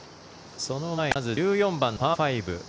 その前に１４番のパー５。